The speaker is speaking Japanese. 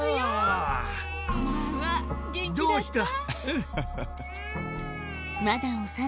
どうした？